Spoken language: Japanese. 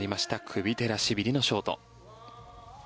クビテラシビリのショート。